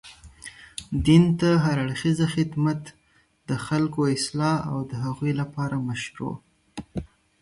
دين ته هر اړخيزه خدمت، د خلګو اصلاح او د هغوی لپاره مشروع